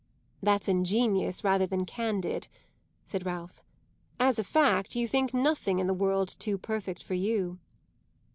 "That's ingenious rather than candid," said Ralph. "As a fact you think nothing in the world too perfect for you."